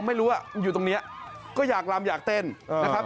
ไม่รู้ว่าอยู่ตรงนี้ก็อยากลำอยากเต้นนะครับ